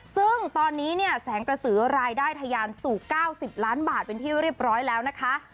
ซึ่งตอนนี้เนี่ยแสงกระสือรายได้ทะยานสู่๙๐ล้านบาทเป็นที่เรียบร้อยแล้วนะคะ